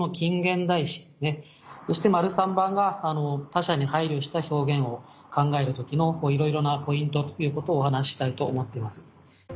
そして番が他者に配慮した表現を考える時のいろいろなポイントということをお話ししたいと思っています。